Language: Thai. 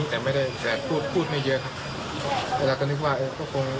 แล้วไม่ได้ทำข้อผิดอะไรมันไม่เกี่ยวกับน้อง